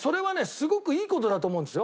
すごくいい事だと思うんですよ。